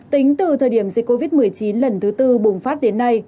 tính từ thời điểm dịch covid một mươi chín lần thứ tư bùng phát đến nay